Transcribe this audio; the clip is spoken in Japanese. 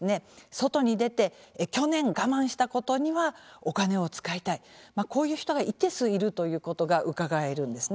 外に出て去年我慢したことにはお金を使いたいこういう人が一定数いるということがうかがえるんですね。